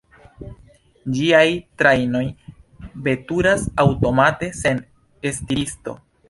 Ĝiaj trajnoj veturas aŭtomate, sen stiristo.